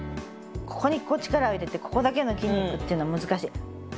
ここにこう力を入れてここだけの筋肉っていうのは難しい。